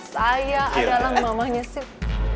saya adalah mamahnya sih